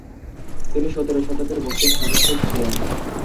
তিনি সতের শতকের মুসলিম সাহিত্যিক ছিলেন।